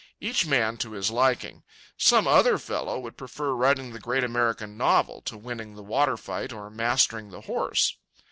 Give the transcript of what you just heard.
Each man to his liking. Some other fellow would prefer writing the great American novel to winning the water fight or mastering the horse.